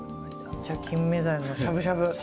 キンメダイのしゃぶしゃぶ。